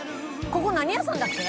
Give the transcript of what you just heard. ここ何屋さんだっけ？